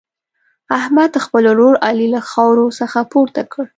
احمد، خپل ورور علي له خاورو څخه پورته کړ.